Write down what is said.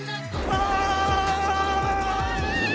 ああ！